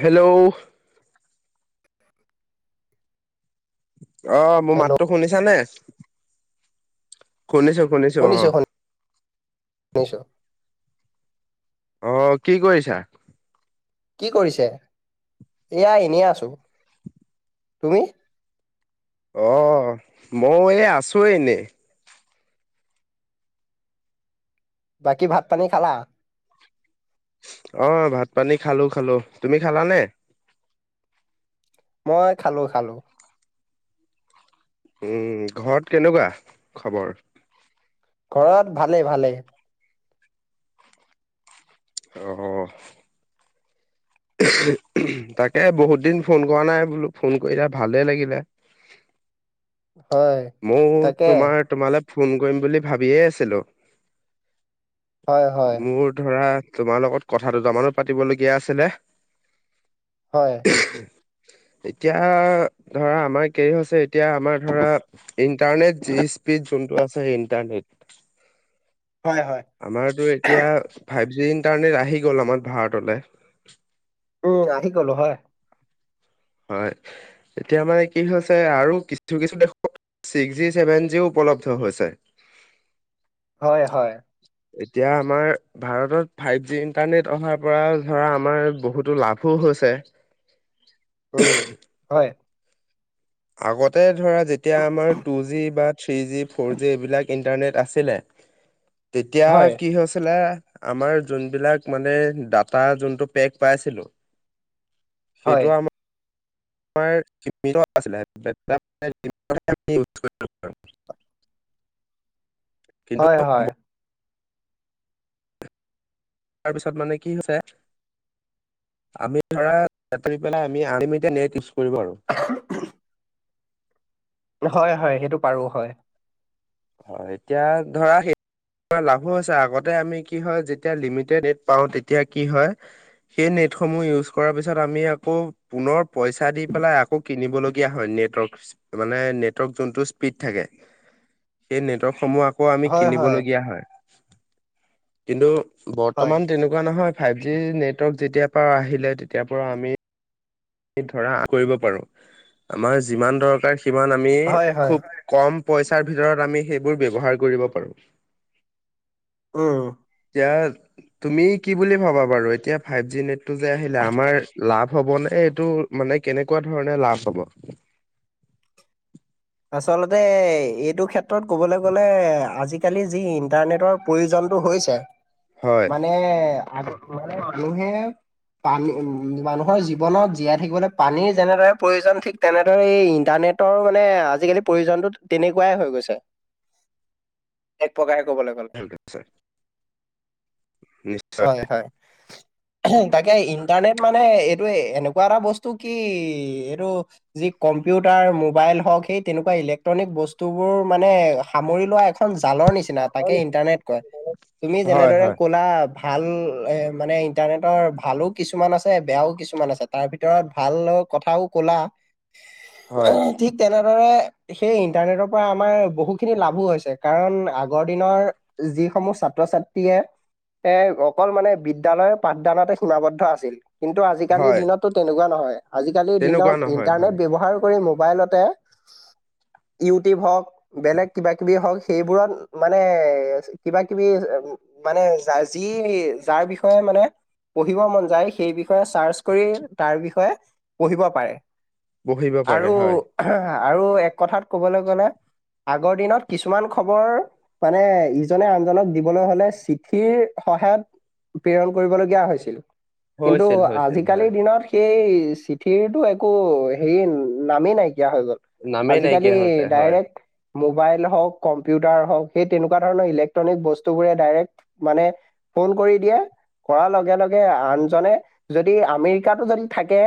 Hello? [inaudible] অ মোৰ hello মাততো শুনিছানে? শুনিছো-শুনিছো অ। শুনিছো শুনিছো। অ, কি কৰিছা? কি কৰিছে? এয়া এনেই আছো, তুমি? অ, ময়ো এই আছো এনেই। বাকী ভাত পানী খালা? অ, ভাত পানী খালো-খালো, তুমি খালানে? মই খালো-খালো। উম, ঘৰত কেনেকুৱা খবৰ? ঘৰত ভালে-ভালে। অ তাকে বহুত দিন ফোন কৰা নাই বোলো ফোন কৰিলা ভালে লাগিলে। হয়, মইও তাকে। তোমাৰ তোমালে ফোন কৰিম বুলি ভাবিয়ে আছিলো। হয় হয় মোৰ ধৰা তোমাৰ লগত কথা দুটামানো পাতিবলগীয়া আছিলে। হয়। এতিয়া ধৰা আমাৰ কেৰি হৈছে এতিয়া আমাৰ ধৰা ইণ্টাৰনেট যি স্পীড যোনটো আছে ইণ্টাৰনেট হয়-হয়। আমাৰতো এতিয়া ফাইভ জি ইণ্টাৰনেট আহি গ'ল আমাৰ ভাৰতলে। উম, আহি গলোঁ হয়। হয়। এতিয়া মানে কি হৈছে আৰু কিছু কিছু দেশত ছিক্স জি ছেভেন জিও উপলব্ধ হৈছে। হয়, হয়। এতিয়া আমাৰ ভাৰতত ফাইভ জি ইণ্টাৰনেট অহাৰ পৰা ধৰা আমাৰ বহুতো লাভ লাভো হৈছে। উম, হয়। আগতে ধৰা যেতিয়া আমাৰ টু জি বা থ্ৰী জি, ফ'ৰ জি এইবিলাক ইণ্টাৰনেট আছিলে। [inaudible] তেতিয়া হয় কি হৈছিলে আমাৰ যোনবিলাক মানে ডাটা যোনটো পেক পাই আছিলো। হয় সেইটো আমাৰ আমাৰ সিমীত আছিলে, সেইটো আমাৰ দিনতহে ইউজ কৰিব পাৰিছিলোঁ। কিন্তু হয়, হয়। তাৰপিছত মানে কি হৈছে আমি ধৰা বাতৰি পেলাই আমি আনলিমিটেত নেট ইউজ কৰিব পাৰো। [unintelligible] হয়, হয়। সেইটো পাৰো হয়। হয়, এতিয়া ধৰা সেই আমাৰ লাভো হৈছে। আগতে আমি কি হয় যেতিয়া লিমিটেড নেট পাওঁ, তেতিয়া কি হয় সেই নেটসমূহ ইউজ কৰাৰ পিছত আমি আকৌ পুনৰ পইচা দি পেলাই আকৌ কিনিব লগীয়া হয় নেটৱৰ্ক। মানে নেটৱৰ্ক যোনটো স্পীড থাকে। সেই নেটৱৰ্কসমূহ আকৌ আমি হয় হয় কিনিবলগীয়া হয়। কিন্তু হয় বৰ্তমান তেনেকুৱা নহয়, ফাইভ জি নেটৱৰ্ক যেতিয় পৰা আহিলে তেতিয়াৰ পৰা আমি ধৰা কৰিব পাৰো, আমাৰ যিমান দৰকাৰ সিমান আমি হয় হয় খুব কম পইচাৰ ভিতৰত আমি সেইবোৰ ব্যৱহাৰ কৰিব পাৰোঁ। উম। এতিয়া তুমি কি বুলি ভাবা বাৰু? এতিয়া ফাইভ জি নেটটো যে আহিলে আমাৰ লাভ হ'বনে এইটো মানে কেনেকুৱা ধৰণে লাভ হ'ব? আচলতে এইটো ক্ষেত্ৰত ক'বলৈ গ'লে আজিকালি যি ইণ্টাৰনেটৰ প্ৰয়োজনতটো হৈছে, হয় মানে [unintelligible] মানুহে পানী, মানুহৰ জীৱনত জীয়াই থাকিবলৈ পানীৰ যেনেদৰে প্ৰয়োজন ঠিক তেনেদৰে এই ইন্টাৰনেটৰ মানে আজিকালি প্ৰয়োজনতো তেনেকুৱাই হৈ গৈছে। এক প্ৰকাৰে কবলৈ গ'লে। নিশ্চয় হয়, হয়। তাকে ইণ্টাৰনেট মানে এইটো এনেকুৱা এটা বস্তু কি এইটো যি কম্পিউটাৰ মোবাইল হওঁক, সেই তেনেকুৱা ইলেক্ট্ৰনিক বস্তুবোৰ মানে সামৰি লোৱা এখন জালৰ নিচিনা। নাথাকে ইণ্টাৰনেট কয়। তুমি হয় যেনেদৰে হয় কলা ভাল মানে ইণ্টাৰনেটৰ ভালো কিছুমান আছে, বেয়াও কিছুমান আছে। তাৰ ভিতৰত ভিতৰত ভাল কথাও কলা, হয় ঠিক তেনেদৰে সেই ইণ্টাৰনেটৰ পৰা আমাৰ বহুখিনি লাভো হৈছে কাৰণ আগৰ দিনৰ যিসমূহ ছাত্ৰ-ছাত্ৰীয়ে এ অকল মানে বিদ্যালয়ৰ পাঠদানতে সীমাবদ্ধ আছিল। কিন্তু আজিকালিৰ হয় দিনতটো তেনেকুৱা নহয় আজিকালিৰ তেনেকুৱা দিনত নহয় হয় ইন্টাৰনেট ব্যৱহাৰ কৰি মোবাইলতে ইউটিউব হওক বেলেগ কিবা কিবি হওক সেইবোৰত মানে কিবা কিবি মানে যা যি যাৰ বিষয়ে মানে পঢ়িব মন যায় সেই বিষয়ে চাৰ্চ কৰি তাৰ বিষয়ে পঢ়িব পাৰে। বহিব পাৰে আৰু, হয় আৰু এক কথাত ক'বলৈ গ'লে। আগৰ দিনত কিছুমান খবৰ মানে ইজনে আনজনক দিবলৈ হলে চিঠিৰ সহায়ত প্ৰেৰণ কৰিবলগীয়া হৈছিল কিন্তু হৈছিল হৈছিল হয় আজিকালিৰ দিনত সেই চিঠিৰটো একো হেৰি নামেই নাইকিয়া হৈ গ'ল। নামেই নাইকিয়া আজিকালি হৈছে হয় ডাইৰেক্ট মোবাইল হওক কম্পিউটাৰ হওক সেই তেনেকুৱা ধৰণৰ ইলেক্ট্ৰনিক বস্তু বোৰে ডাইৰেক্ট মানে ফোন কৰি দিয়ে কৰাৰ লগে লগে আনজনে যদি আমেৰিকাতো যদি থাকে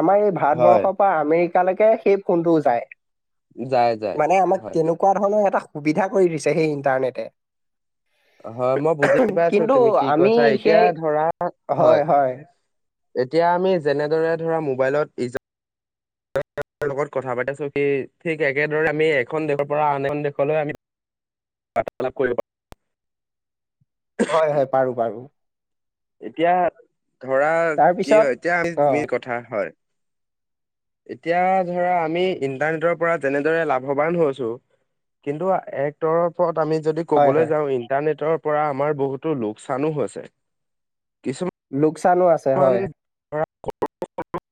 আমাৰ এই হয় ভাৰতবৰ্ষৰ পৰা আমেৰিকালৈকে সেই ফোনটোও যায় যায় যায় মানে আমাক হয় তেনেকুৱা ধৰণৰ এটা সুবিধা কৰি দিছে সেই ইণ্টাৰনেটে। হয় মই বুজি পাইছো তুমি কি আমি কৈছা এতিয়া সেই ধৰা হয় এতিয়া আমি যেনেদৰে ধৰা মোবাইলত ই জনৰ লগত কথা পাতি আছো কি ঠিক একেদৰে আমি এখন দেশৰ পৰা আন এখন দেশলৈ আমি বাৰ্তা লাপ কৰিব পাৰো। হয় হয় পাৰো পাৰো। এতিয়া ধৰা কি তাৰপিছত হয় এতিয়া অ আমি কথা হয় এতিয়া ধৰা আমি ইন্টাৰনেটৰ পৰা যেনেদৰে লাভৱান হৈছো কিন্তু এক্টৰৰ ওপৰত আমি যদি হয় হয় কবলৈ যাও ইণ্টাৰনেটৰ পৰা আমাৰ বহুতো লোকচানো হৈছে। কিছু লোকচানো আছে। মান হয়, [unintelligible]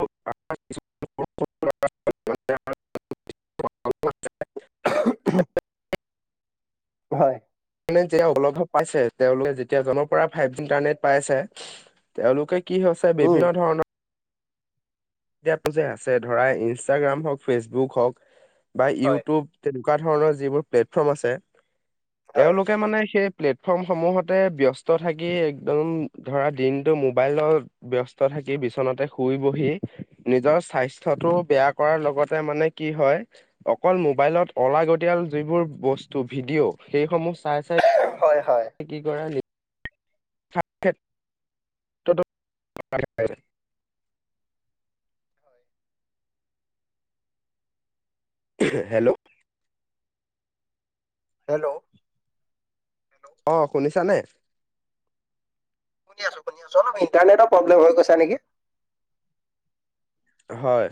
[unintelligible] হয় যেতিয়া লাভৱ পাইছে তেওঁলোকে যেতিয়া জনৰ পৰা ফাইভ জি ইণ্টাৰনেট পাই আছে তেওঁলোকে কি হৈছে উম। বিভিন্ন ধৰণৰ এপটো যে আছে ধৰা ইনষ্টাগ্ৰাম হওক ফেচবুক হওক বা হয়। ইউটিউব তেনেকুৱা ধৰণৰ যিবোৰ প্লেটফৰ্ম আছে হয়, তেওঁলোকে মানে সেই প্লেটফৰ্মসমূহতে ব্যস্ত থাকি একদম ধৰা দিনটো মোবাইলত ব্যস্ত থাকি বিচনাতে শুই বহি নিজৰ স্বাস্থ্যটো বেয়া কৰাৰ লগতে মানে কি হয় অকল মোবাইলত অলাগতিয়াল যিবোৰ বস্তু ভিডিঅ' সেইসমূহ চাই চাই হয় হয়। কি কৰা [unintelligible] হেল্ল'! হেল্ল'! হেল্ল', অ শুনিছানে? শুনি আছো শুনি আছো। অলপণ্টাৰনেটৰ প্ৰবলেম হৈ গৈছে নেকি হয়।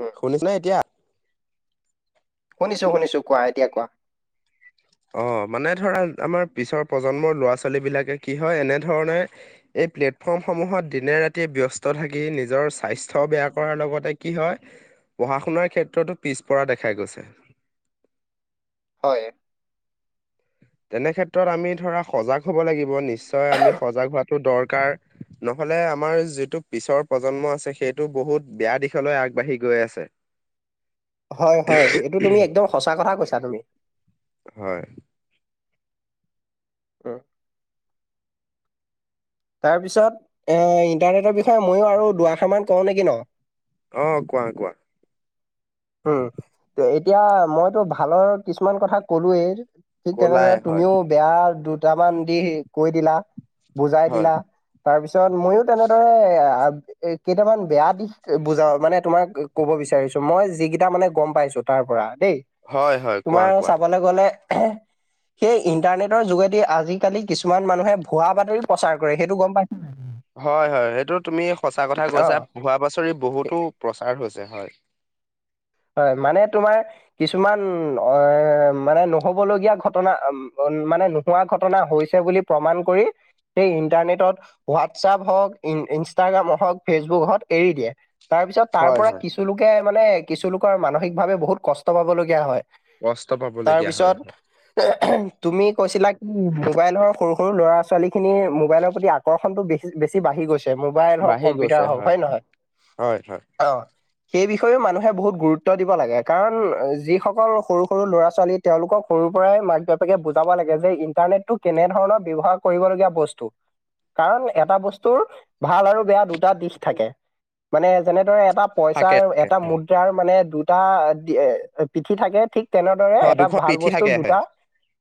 উম, শুনিছেনে এতিয়া? শুনিছোঁ, শুনিছোঁ কোৱা এতিয়া কোৱা। অ' মানে ধৰা আমাৰ পিছৰ প্ৰজন্মৰ ল'ৰা ছোৱালী বিলাকে কি হয়, এনেধৰণে এই প্লেটফৰ্মসমূহত দিনে ৰাতিয়ে ব্যস্ত থাকি নিজৰ স্বাস্থ্য বেয়া কৰাৰ লগতে কি হয় পঢ়া শুনাৰ ক্ষেত্ৰতো পিছপৰা দেখা গৈছে। হয়। তেনেক্ষেত্ৰত আমি ধৰা সজাগ হ'ব লাগিব, নিশ্চয় আমি সজাগ হোৱাটো দৰকাৰ। নহ'লে আমাৰ যিটো পিছৰ প্ৰজন্ম আছে। সেইটো বহুত বেয়া দিশলৈ আগবাঢ়ি গৈ আছে। হয়, হয়। এইটো তুমি একদম সঁচা কথা কৈছা তুমি। হয়। উম। তাৰপিছত এই, ইণ্টাৰনেটৰ বিষয়ে মইয়ো আৰু দুৱাষাৰা মান কওঁ নেকি নো? অ' কোৱা কোৱা। উম, এতিয়া মইতো ভালৰ কিছুমান কথা কলোয়েই। ঠিক তেনেদৰে কলাই হয় তুমিও বেয়া দুটামান দিশ কৈ দিলা, বুজাই হয় দিলা। তাৰপিছত মইয়ো তেনেদৰে এই কেইটামান বেয়া দিশ বুজাও মানে তোমাক ক'ব বিচাৰিছোঁ। মই যিকেইটা মানে গ'ম পাইছোঁ। তাৰ পৰা দেই হয় হয় কোৱা তোমাৰ কোৱা। চাবলে গ'লে সেই ইণ্টাৰনেটৰ যোগেদি আজিকালি কিছুমান মানুহে ভুৱা বাতৰি প্ৰচাৰ কৰে। সেইটো গ'ম পাইছা? হয়, হয়। সেইটো তুমি সঁচা কথা অ কৈছা। ভুৱা বছৰি বহুতো প্ৰচাৰ হৈছে হয়। হয়, মানে তোমাৰ কিছুমান অ' মানে নহ'ব লগীয়া ঘটনা মানে নোহোৱা ঘটনা হৈছে বুলি প্ৰমাণ কৰি সেই ইণ্টাৰনেটত, হোৱাটছএপ হওঁক ই ইনষ্টাগ্ৰাম হওঁক, ফেচবুক হওঁক এৰি দিয়ে। তাৰপিছত, হয় তাৰপৰা হয় কিছুলোকে মানে কিছুলোকৰ মানসিক ভাৱে বহুত কষ্ট পাবলগীয়া হয়। কষ্ট পাবলগীয়া হয় তাৰপিছত হয়। তুমি কৈছিলা কি মোবাইল সৰু সৰু ল'ৰা-ছোৱালী খিনিৰ মোবাইলৰ প্ৰতি আকৰ্ষণটো বেছি বেছি বাঢ়ি গৈছে। ম'বাইল হওঁক, বাঢ়ি কম্পিউটাৰ গৈছে হওঁক হয় হয়নে নহয়? হয় হয় অ' সেই বিষেয়েও মানুহে মানুহে বহুত গুৰুত্ব দিব লাগে। কাৰণ যিসকল সৰু সৰু ল'ৰা-ছোৱালী তেওঁলোকক সৰুৰ পৰাই মাক বাপেকে বুজাব লাগে যে ইন্টাৰনেটটো কেনেধৰণৰ ব্যৱহাৰ কৰিবলগীয়া বস্তু। কাৰণ এটা বস্তুৰ ভাল আৰু বেয়া দুটা দিশ থাকে, মানে যেনেদৰে এটা থাকে পইচাৰ, থাকে এটা হয় মুদ্ৰাৰ মানে দুটা পিঠি থাকে, ঠিক তেনেদৰে হয় এটা দুখন ভাল পিঠি বস্তুৰ থাকে হয় দুটা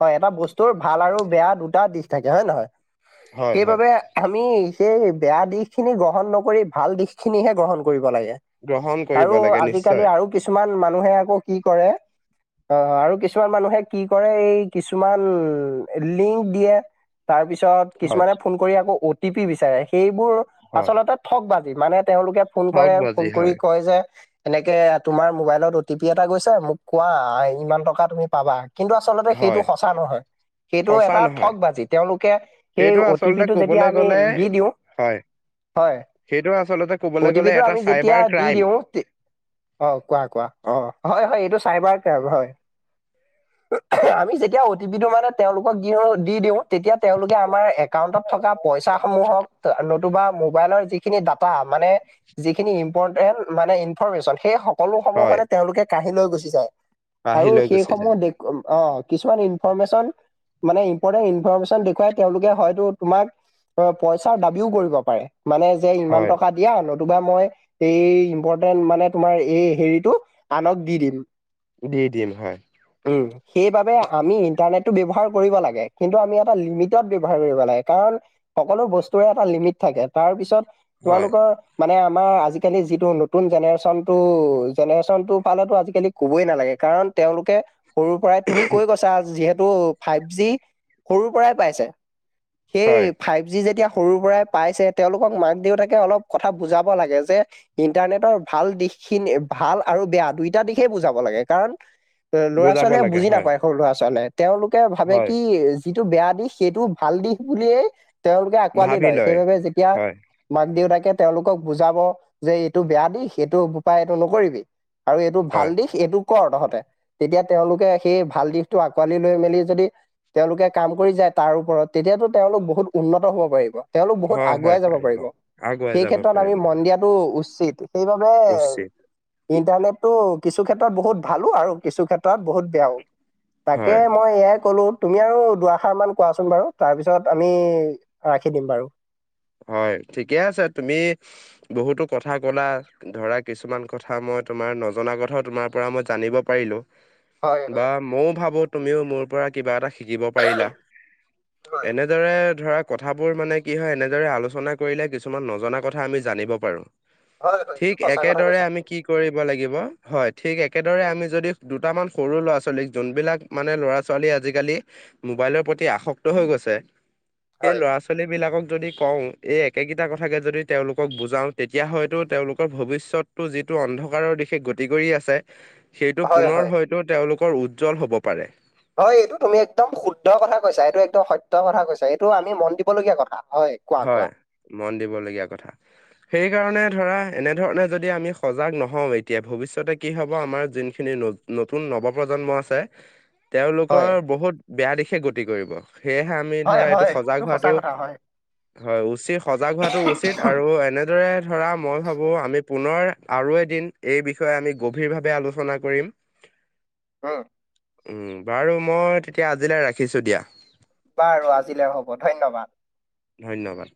হয়, এটা বস্তুৰ ভাল আৰু বেয়া দুটা দিশ থাকে হয় নহয়? হয় হয় সেইবাবে আমি সেই বেয়া দিশ খিনি গ্ৰহণ নকৰি, ভাল দিশ খিনিহে গ্ৰহণ কৰিব লাগে। গ্ৰহণ আৰু কৰিব লাগে আজিকালি নিশ্চয়। আৰু কিছুমান মানুহে আকৌ কি কৰে অ' কিছুমান মানুহে কি কৰে এই কিছুমান লিংক দিয়ে। তাৰপিছত হয় কিছুমানে ফোন কৰি আকৌ অ টি পি বিচাৰে। সেইবোৰ হয় আচলতে ঠগ বাজি মানে তেওঁলোকে ফোন ঠগ কৰে বাজি ফোন হয় কৰি কয় যে এনেকে তোমাৰ মোবাইলত অ টি পি এটা গৈছে মোক কোৱা ইমান টকা তুমি পাবা। কিন্তু, আচলতে হয় সেইটো সঁচা নহয়। সেইটো সঁচা এটা নহয় ঠগ বাজি, তেওঁলোকে সেই সেইটো অ টি আচলতে পিটো যেতিয়া কবলৈ আমি গ'লে দি দিওঁ, হয়, হয় সেইটো আচলতে অ' ক'বলৈ টি পি গ'লে টো এটা আমি যেতিয়া চাইবাৰ দি ক্ৰাইম। দিওঁ অ! কোৱা-কোৱা অ, হয়-হয় এইটো চাইবাৰ টাইপৰ হয়। [unintelligible] আমি যেতিয়া অটিপিটো মানে তেওঁলোকক দিওঁ দি দিওঁ তেতিয়া তেওঁলোকে আমাৰ একাউণ্টত থকা পইচা সমূহক নতুবা মোবাইলৰ যিখিনি দাত টা মানে যিখিনি ইম্পৰ্টেন্ট মানে ইনফৰমেচন সেই সকলো সমূহ হয় মানে তেওঁলোকে কাঢ়ি লৈ গুচি যায় আহি আৰু লৈ গুচি সেইসমূহ যায় অঁ কিছুমান ইনফৰমেচন মানে ইম্পৰ্টেণ্ট ইনফৰ্মেশ্যন দেখুৱাই তেওঁলোকে হয়তো তোমাক পইচাৰ দাবীও কৰিব পাৰে মানে যে ইমান হয় টকা দিয়া নতুবা মই এই ইম্প ৰ্টেম মানে তোমাৰ এই হেৰিটো আনক দি দিম। দি দিম হয়। উম! সেইবাবে আমি ইণ্টাৰনেটটো ব্যৱহাৰ কৰিব লাগে, কিন্তু আমি এটা লিমিটত ব্যৱহাৰ কৰিব লাগে, কাৰণ সকলো বস্তুৰে এটা লিমিট থাকে, তাৰ পিছত হয় তোমালোকৰ মানে আমাৰ আজিকালি যিটো নতুন জেনেৰেচনটো, জেনেৰেচনটো পালে আজিকালি ক'বই নালাগে, কাৰণ তেওঁলোকে সৰুৰ পৰাই তুমি কৈ গৈছা, যিহেতু ফাইভজি সৰুৰ পৰাই পাইছে। হয় সেই ফাইভজি যেতিয়া সৰুৰ পৰাই পাইছে। তেওঁলোকক মাক-দেউতাকে অলপ কথা বুজাব লাগে, যে ইণ্টাৰনেটৰ ভাল দিশ খিনি, ভাল আৰু বেয়া দুইটা দিশেই বুজাব লাগে, কাৰণ বুজাব ল'ৰা-ছোৱালীয়ে লাগে বুজি হয় নাপায় সৰু ল'ৰা-ছোৱালীয়ে, তেওঁলোকে ভাবে হয় কি যিটো বেয়া দিশ, সেইটো ভাল দিশ বুলিয়েই তেওঁলোকে আঁকোৱালি লয়, সেইবাবে যেতিয়া হয় মাক-দেউতাকে তেওঁলোকক বুজাব যে এইটো বেয়া দিশ, সেইটো বোপাই এইটো নকৰিবি। আৰু এইটো ভাল হয়, দিশ এইটো কৰ তহঁতে, তেতিয়া তেওঁলোকে সেই ভাল দিশটো আঁকোৱালি লৈ মেলি যদি তেওঁলোকে কাম কৰি যায় তাৰ ওপৰত, তেতিয়াতো তেওঁলোকে বহুত উন্নত হ'ব পাৰিব। তেওঁলোক বহুত হয়, হয় আগুৱাই যাব পাৰিব, আগুৱাই সেই যাব ক্ষেত্ৰত আমি পাৰিব মন দিয়াত টো উচিত। সেইবাবে উচিত ইণ্টাৰনেটটো কিছু ক্ষেত্ৰত বহুত ভালো আৰু কিছু ক্ষেত্ৰত বহুত বেয়াও। তাকে হয়, মই এয়াই ক'লো। তুমি আৰু দুআষাৰমান কোৱা চোন বাৰু তাৰপিছত আমি ৰাখি দিম বাৰু। হয়। ঠিকে আছে, তুমি বহুতো কথা ক'লা। ধৰা কিছুমান কথা মই তোমাৰ নজনা কথাও তোমাৰ পৰা মই জানিব পাৰিলোঁ। হয়, বা হয়, মইও ভাবোঁ, তুমিও মোৰ পৰা কিবা এটা হিক শিকিব পাৰিলা। হয়, এনেদৰে ধৰা কথাবোৰ মানে কি হয়, এনে এনেদৰে আলোচনা কৰিলে কিছুমান নজনা কথা আমি পাৰো। হয়, হয়, এইটো ঠিক সঁচা কথা একেদৰে কৈছা আমি তুমি। কি হয়, কৰিব লাগিব হয়, ঠিক একেদৰে উম, আমি যদি দুটামান সৰু ল'ৰা-ছোৱালীক, যোনবিলাক মানে ল'ৰা-ছোৱালীয়ে আজিকালি মোবাইলৰ প্ৰতি আসক্ত হৈ গৈছে। সেই হয়, ল'ৰা-ছোৱালী বিলাকক যদি কওঁ, এই একেকেইটা কথাকে যদি তেওঁলোকক বুজাওঁ, তেতিয়া হয়তো তেওঁলোকৰ ভৱিষ্যত টো যিটো অন্ধকাৰৰ দিশে গতি কৰি আছে সেইটো হয়, পুনৰ হয়, হয়তো তেওঁলোকৰ উজ্জ্বল হ'ব পাৰে। হয়, এইটো তুমি একদম শুদ্ধ কথা কৈছা। এইটো একদম সত্য কথা কৈছা, এইটো আমি মন দিবলগীয়া কথা হয়। কোৱা, কোৱা, হয়, মন দিবলগীয়া কথা। সেইকাৰণে ধৰা এনেধৰণে যদি আমি সজাগ নহওঁ এতিয়া, ভৱিষ্যতে কি হ'ব আমাৰ যোনখিনি নতু নতুন নৱপ্ৰজন্ম আছে। [inaudible] তেওঁলোকৰ বহুত বেয়া দিশে গতি কৰিব, সেয়েহে আমি হয়, ধৰা হয়, এইটো সজাগ সঁচা হোৱাটো কথা হয়, হয় উচিত, সজাগ হোৱাটো উচিত আৰু এনেদৰে ধৰা মই ভাবো আমি পুনৰ আৰু এদিন এই বিষয়ে আমি গভীৰভাৱে আলোচনা কৰিম। হয় উম, বাৰু মই তেতিয়া আজিলৈ ৰাখিছো দিয়া। বাৰু আজিলে হ'ব ধন্যবাদ। ধন্যবাদ।